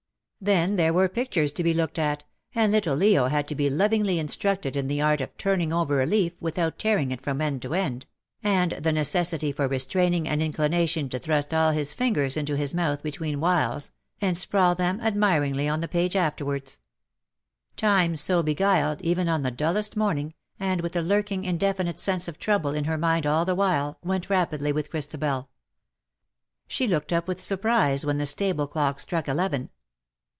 Then there were pictures to be looked at, and little Leo had to be lovingly instructed in the art of turning over a leaf without tearing it from end to end — and the necessity for restraining an inclination to thrust all his fingers into his mouth between whiles, and sprawl them admiringly on the page afterwards. 8 '^WITH SUCH REMORSELESS SPEED Time so beguiled, even on the dullest morning, and witli a lurking, indefinite sense of trouble in her mind all the while, went rapidly with Christabel. She looked up with surprise when the stable clock struck eleven.